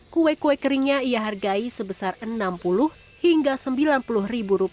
kue kue keringnya ia hargai sebesar rp enam puluh hingga rp sembilan puluh